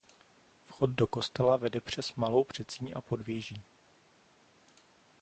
Vchod do kostela vede přes malou předsíň a podvěží.